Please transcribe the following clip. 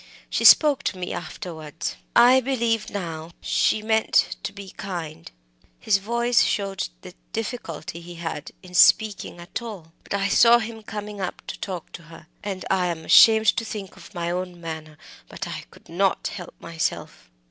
She spoke to me afterwards I believe now she meant to be kind" his voice showed the difficulty he had in speaking at all "but I saw him coming up to talk to her. I am ashamed to think of my own manner, but I could not help myself."